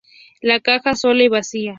La caja sola y vacía.